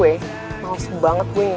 aduh aneh aneh aneh